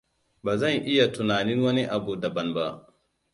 Ba zan iya tunanin wani abu daban ba.